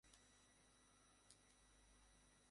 লোকটি মহিলাটির এ রূপে ভয় পেয়ে পিছু হটতে থাকে।